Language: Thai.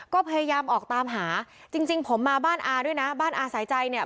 ก็พยายามออกตามหาจริงผมมาบ้านอาด้วยนะบ้านอาสายใจเนี่ย